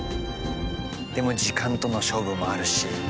でも時間との勝負もあるし。